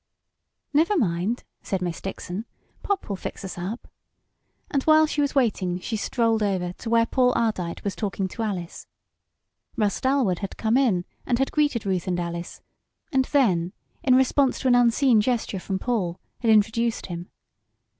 "Never mind," said Miss Dixon, "Pop will fix us up," and while she was waiting she strolled over to where Paul Ardite was talking to Alice. Russ Dalwood had come in and had greeted Ruth and Alice, and then, in response to an unseen gesture from Paul, had introduced him.